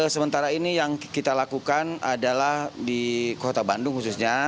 sementara ini yang kita lakukan adalah di kota bandung khususnya